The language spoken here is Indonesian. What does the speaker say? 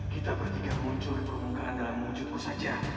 kita bertiga muncul permukaan dalam wujudku saja